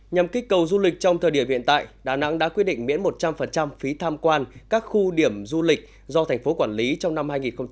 nhằm kích cầu du lịch trong thời điểm hiện tại đà nẵng đã quyết định miễn một trăm linh phí tham quan các khu điểm du lịch do thành phố quản lý trong năm hai nghìn hai mươi